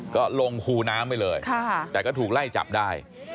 ก็ลงคูน้ำไปเลยแต่ก็ถูกไล่จับได้